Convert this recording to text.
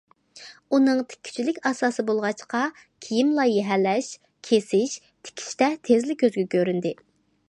ئۇنىڭ تىككۈچىلىك ئاساسى بولغاچقا، كىيىم لايىھەلەش، كېسىش، تىكىشتە تېزلا كۆزگە كۆرۈندى.